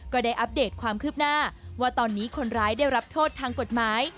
ได้อัปเดตความคืบหน้าว่าตอนนี้คนร้ายได้รับโทษทางกฎหมาย